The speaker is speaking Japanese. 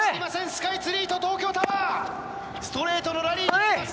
スカイツリーと東京タワーストレートのラリーになります